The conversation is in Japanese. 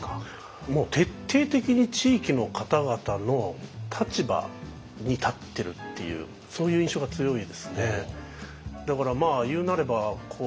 徹底的に地域の方々の立場に立ってるっていうそういう印象が強いですね。